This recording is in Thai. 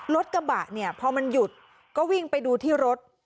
รถกระบะเนี่ยพอมันหยุดก็วิ่งไปดูที่รถ